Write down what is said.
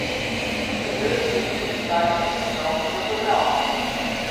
De buert sit op dit stuit sûnder stroom troch de brân.